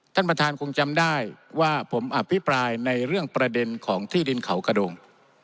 ท่านประธานคงจำได้ว่าผมอภิปรายในเรื่องประเด็นของที่ดินเขากระโดง